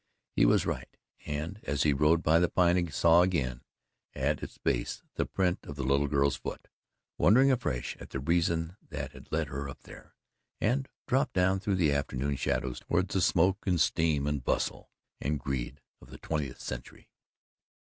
He was right, and, as he rode by the Pine, saw again at its base the print of the little girl's foot wondering afresh at the reason that led her up there and dropped down through the afternoon shadows towards the smoke and steam and bustle and greed of the Twentieth Century.